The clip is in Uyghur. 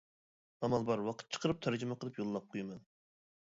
ئامال بار ۋاقىت چىقىرىپ تەرجىمە قىلىپ يوللاپ قويىمەن.